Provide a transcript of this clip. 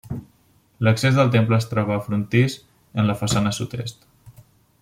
L'accés del temple es troba al frontis en la façana sud-est.